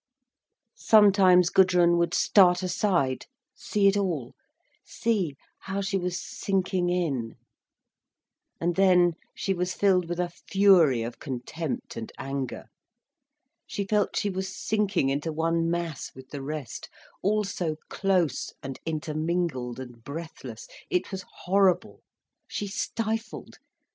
Sometimes Gudrun would start aside, see it all, see how she was sinking in. And then she was filled with a fury of contempt and anger. She felt she was sinking into one mass with the rest—all so close and intermingled and breathless. It was horrible. She stifled.